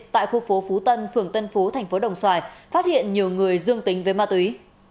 tại khu phố phú tân phường tân phú thành phố đồng xoài phát hiện nhiều người dương tính với ma túy